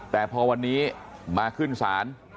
แต่พอวันนี้มาขึ้นศาล